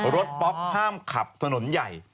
ป๊อกห้ามขับถนนใหญ่